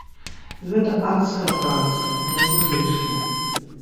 Гэта адская праца, найцяжэйшая!